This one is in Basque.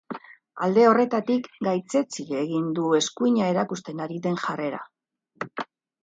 Alde horretatik gaitzetsi egin du eskuina erakusten ari den jarrera.